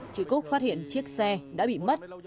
chị cúc phát hiện chiếc xe đã bị mất